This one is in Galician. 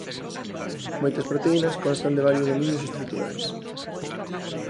Moitas proteínas constan de varios dominios estruturais.